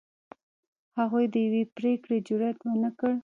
هغوی د یوې پرېکړې جرئت ونه کړ.